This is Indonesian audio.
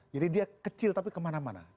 jadi dia kecil tapi kemana mana